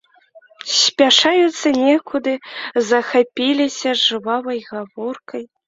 Спяшаюцца некуды, захапіліся жвавай гаворкай.